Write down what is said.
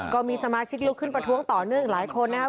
ก็มีสมาชิกลุกขึ้นประท้วงต่อเนื่องหลายคนนะครับ